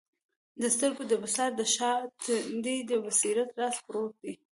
د سترګو د بصارت تر شاه دي د بصیرت راز پروت دی